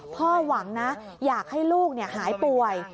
พ่อหวังนะอยากให้ลูกหายป่วย